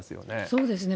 そうですね。